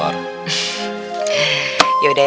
ya tapi tumben aja cariin kamu di kantor